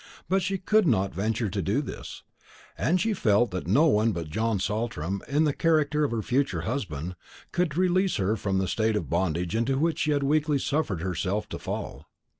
But she could not venture to do this; and she felt that no one but John Saltram, in the character of her future husband, could release her from the state of bondage into which she had weakly suffered herself to fall.